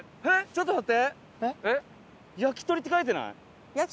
ちょっと待って。